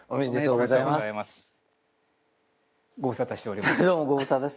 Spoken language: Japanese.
ご無沙汰しております。